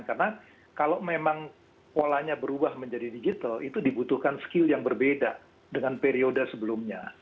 karena kalau memang polanya berubah menjadi digital itu dibutuhkan skill yang berbeda dengan periode sebelumnya